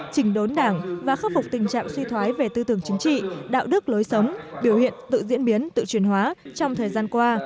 chỉnh đốn đảng và khắc phục tình trạng suy thoái về tư tưởng chính trị đạo đức lối sống biểu hiện tự diễn biến tự truyền hóa trong thời gian qua